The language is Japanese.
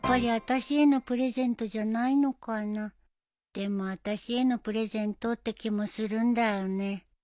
でもあたしへのプレゼントって気もするんだよね。